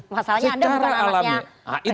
masalahnya anda bukan masnya presiden